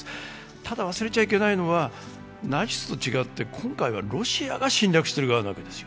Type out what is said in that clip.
ただ忘れちゃいけないのは、ナチスと違って今回はロシアが侵略してるわけですよ。